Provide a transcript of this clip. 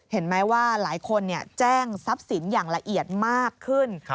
เห็นไหมว่าหลายคนแจ้งทรัพย์สินอย่างละเอียดมากขึ้น